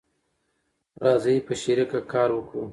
راځی په شریکه کار وکړو